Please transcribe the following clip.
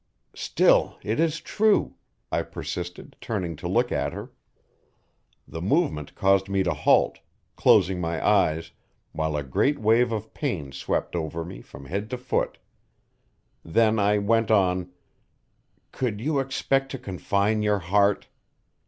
"Still, it is true," I persisted, turning to look at her. The movement caused me to halt, closing my eyes, while a great wave of pain swept over me from head to foot. Then I went on: "Could you expect to confine your heart?